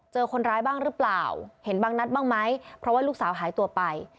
เจอคนร้ายบ้างหรือเปล่าเห็นบางนัดบ้างไหมเพราะว่าลูกสาวหายตัวไป